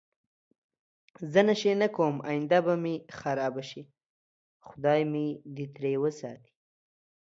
زه نشی نه کوم اینده به می خرابه شی خدای می دی تری وساتی